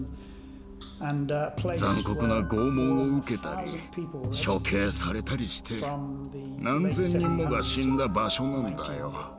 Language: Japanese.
残酷な拷問を受けたり処刑されたりして何千人もが死んだ場所なんだよ。